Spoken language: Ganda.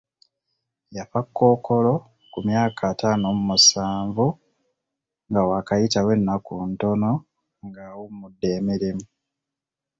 Yafa Kkookolo ku myaka ataano mu musanvu nga waakayitawo ennaku ntono nga awummudde emirimu.